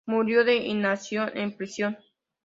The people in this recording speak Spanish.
Murió de inanición en prisión.